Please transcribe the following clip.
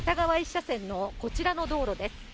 １車線のこちらの道路です。